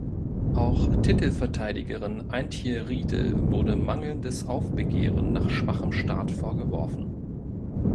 Auch Titelverteidigerin Antje Riedel wurde mangelndes Aufbegehren nach schwachem Start vorgeworfen.